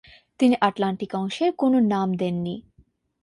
তিনি আটলান্টিক অংশের কোনো নাম দেননি।